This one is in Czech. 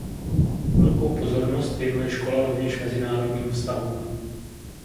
Velkou pozornost věnuje škola rovněž mezinárodním vztahům.